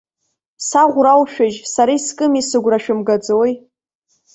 Саӷәра аушәыжь, сара искыми, сыгәра шәымгаӡои?